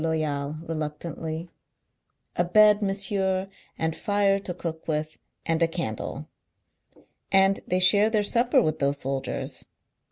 Loyal, reluctantly ; "a bed, monsieur, and fire to cook with, and a candle. Andthey share theirsupper with those soldiers.